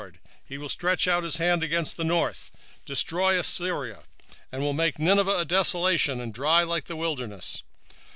2:13 And he will stretch out his hand against the north, and destroy Assyria; and will make Nineveh a desolation, and dry like a wilderness.